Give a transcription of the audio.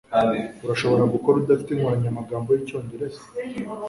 Urashobora gukora udafite inkoranyamagambo y'Icyongereza?